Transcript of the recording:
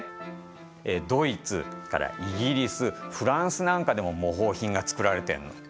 ドイツそれからイギリスフランスなんかでも模倣品が作られてるの。